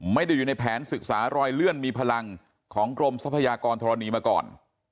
ไม่ได้อยู่ในแผนศึกษารอยเลื่อนมีพลังของกรมทรัพยากรธรณีมาก่อน